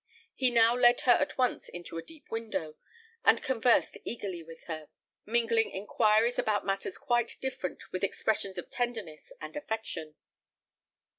He now led her at once into the deep window, and conversed eagerly with her, mingling inquiries about matters quite different with expressions of tenderness and affection.